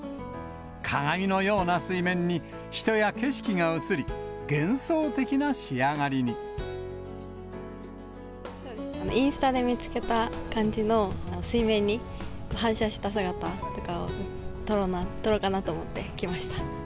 鏡のような水面に人や景色が映り、インスタで見つけた感じの、水面に反射した姿とかを撮ろうかなと思って来ました。